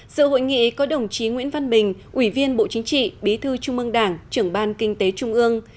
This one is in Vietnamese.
sự hội nghị có đồng chí nguyễn văn bình ủy viên bộ chính trị bí thư trung ương đảng trưởng ban kinh tế trung ương